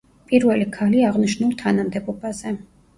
პირველი ქალი აღნიშნულ თანამდებობაზე.